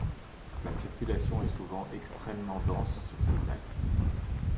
La circulation est souvent extrêmement dense sur ces axes.